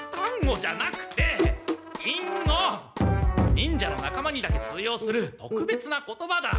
忍者の仲間にだけ通用する特別な言葉だ。